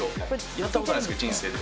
やった事ないですけど人生で。